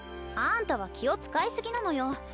あんたは気を遣いすぎなのよ。